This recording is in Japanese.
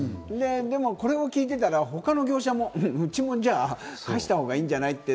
でもこれを聞いてたら、他の業者もうちもじゃあ返したほうがいいんじゃないって。